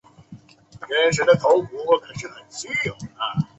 其窗之建材多采台北当地砂岩。